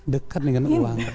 dekat dengan uang